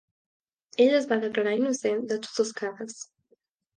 Ell es va declarar innocent de tots els càrrecs.